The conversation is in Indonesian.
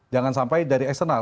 jangan sampai dari eksternal